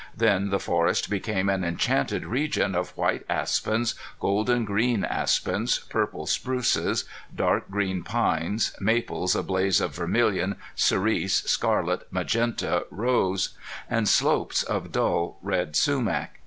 Then the forest became an enchanted region of white aspens, golden green aspens, purple spruces, dark green pines, maples a blaze of vermilion, cerise, scarlet, magenta, rose and slopes of dull red sumac.